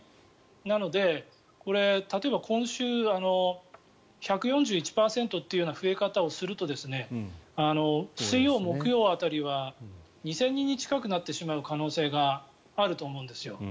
なので、例えば今週１４１％という増え方をすると水曜、木曜辺りは２０００人近くになってしまう可能性があると思うんですよ。